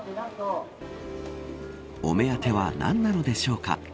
お目当ては何なのでしょうか。